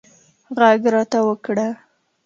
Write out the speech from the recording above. غږ راته وکړه